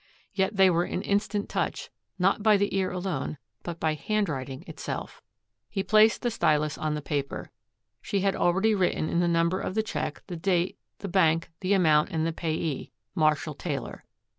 Yet they were in instant touch, not by the ear alone, but by handwriting itself. He placed the stylus on the paper. She had already written in the number of the check, the date, the bank, the amount, and the payee, Marshall Taylor.